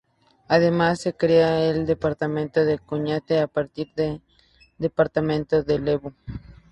Además se crea el departamento de Cañete, a partir del Departamento de Lebu.